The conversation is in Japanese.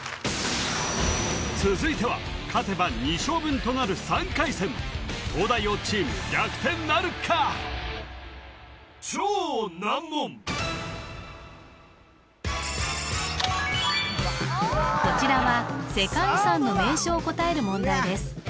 続いては勝てば２勝分となる３回戦東大王チーム逆転なるかこちらは世界遺産の名称を答える問題です